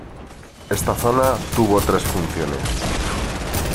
Esta zona tuvo tres funciones.